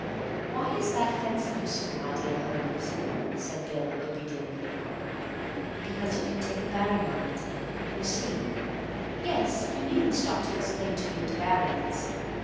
"Why is that fence useful, my dear Holmes?" said Bill obediently. "Because you can take a bearing on it. You see—" "Yes, you needn't stop to explain to me what a bearing is."